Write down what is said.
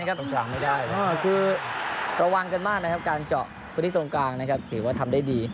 ครับคือระวังกันมากนะครับการเจาะเพลงที่ตรงกลางนะครับแถมว่าทำได้ดี